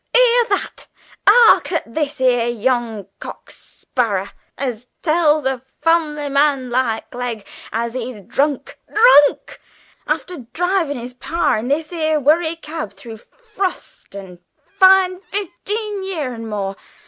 "'Ear that. 'Ark at this 'ere young cock sparrer as tells a fam'ly man like Clegg as he's drunk! Drunk, after drivin' his par in this 'ere werry cab through frost and fine fifteen year and more!